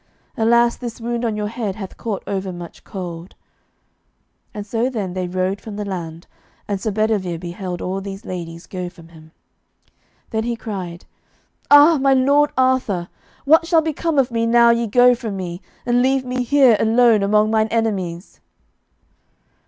Alas, this wound on your head hath caught over much cold." And so then they rowed from the land, and Sir Bedivere beheld all these ladies go from him. Then he cried, "Ah, my lord Arthur, what shall become of me now ye go from me, and leave me here alone among mine enemies!"